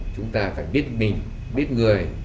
chúng ta phải biết mình biết người